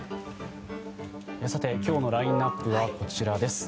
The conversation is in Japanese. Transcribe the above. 今日のラインアップはこちらです。